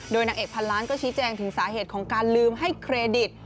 นางเอกพันล้านก็ชี้แจงถึงสาเหตุของการลืมให้เครดิต